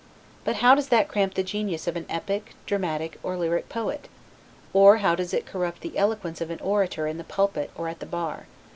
But how does that cramp the genius of an epic, dramatic, or lyric poet? or how does it corrupt the eloquence of an orator in the pulpit or at the bar?